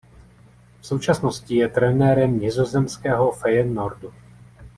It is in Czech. V současnosti je trenérem nizozemského Feyenoordu.